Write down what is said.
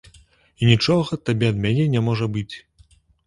І нічога табе ад мяне не можа быць.